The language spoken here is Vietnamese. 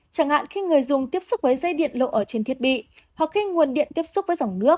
chẳng hạn khi người dùng tiếp xúc với dây điện lộ ở trên thiết bị hoặc khi nguồn điện tiếp xúc với dòng nước